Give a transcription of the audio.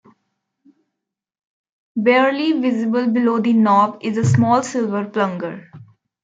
Barely visible below the knob is a small silver plunger.